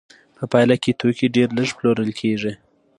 په پایله کې توکي ډېر لږ پلورل کېږي